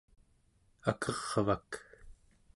akervak